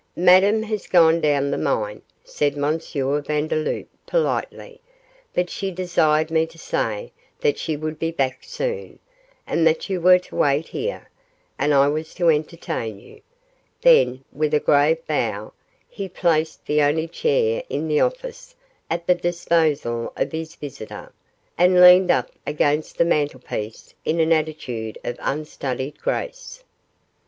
'Madame has gone down the mine,' said M. Vandeloup, politely, 'but she desired me to say that she would be back soon, and that you were to wait here, and I was to entertain you;' then, with a grave bow, he placed the only chair in the office at the disposal of his visitor, and leaned up against the mantelpiece in an attitude of unstudied grace.